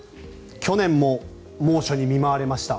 去年も猛暑に見舞われました。